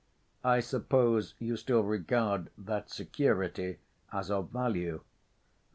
I suppose you still regard that security as of value?"